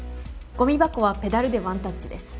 ごみ箱はペダルでワンタッチです。